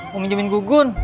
mau minjemin gugun